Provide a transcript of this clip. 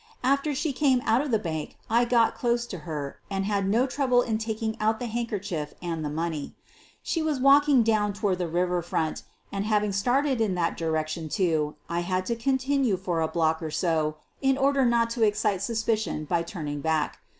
After she came out of the bank I got close to her and had no trouble in taking out the handkerchief and the money. She was walking down toward the river front and, having started in that direction, too, I had to continue for a block or so in order not to excite suspicion by turning back.